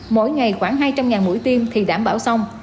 mỗi ngày khoảng hai trăm linh mũi tiêm thì đảm bảo xong